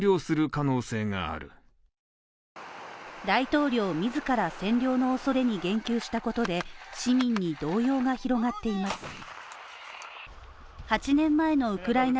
大統領自ら占領のおそれに言及したことで市民に動揺が広がっています。